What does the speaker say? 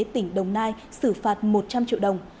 tỉnh đồng nai xử phạt một trăm linh triệu đồng